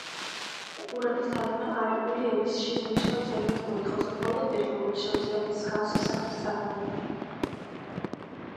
ყურანის თარგმნა არაბული ენის შესანიშნავ ცოდნას მოითხოვს და მხოლოდ ერთეულებს შეუძლიათ მსგავსი საქმის წამოწყება.